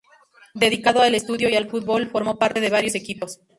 Dedicado al estudio y al fútbol, formó parte de varios equipos.